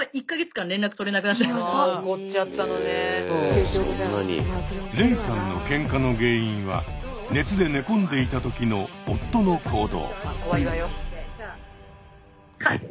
彼女からしたらレイさんのケンカの原因は熱で寝込んでいた時の夫の行動。